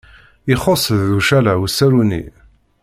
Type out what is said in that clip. Ixuṣṣ deg ucala usaru-nni.